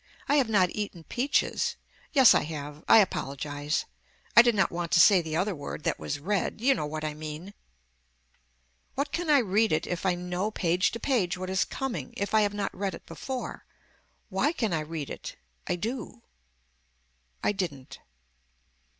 I have not eaten peaches. Yes I have. I apologize. I did not want to say the other word that was red. You know what I mean. Why can I read it if I know page to page what is coming if I have not read it before. Why can I read it. I do. I didn't.